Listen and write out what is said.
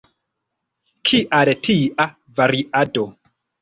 Kial tia variado?